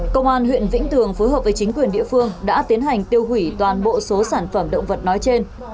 công an huyện vĩnh tường phối hợp với chính quyền địa phương đã tiến hành tiêu hủy toàn bộ số sản phẩm động vật nói trên